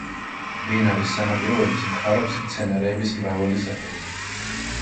მდინარის სანაპიროებზე ხარობს მცენარეების მრავალი სახეობა.